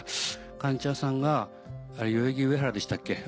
貫地谷さんが代々木上原でしたっけ。